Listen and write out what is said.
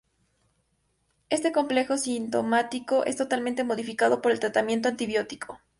Este complejo sintomático es totalmente modificado por el tratamiento antibiótico.